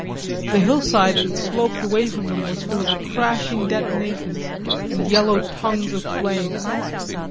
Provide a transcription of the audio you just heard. The hillside that sloped away from them was full of crashing detonations and yellow tongues of flame.